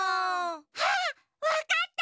あっわかった！